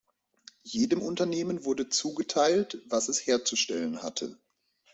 Jedem Unternehmen wurde zugeteilt, was es herzustellen hatte.